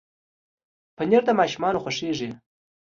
پنېر د ماشومانو خوښېږي.